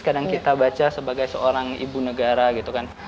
kadang kita baca sebagai seorang ibu negara gitu kan